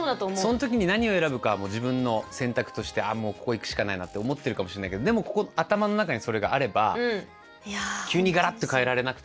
その時に何を選ぶかは自分の選択として「ああもうここ行くしかないな」って思ってるかもしれないけどでもここ頭の中にそれがあれば急にガラッと変えられなくても。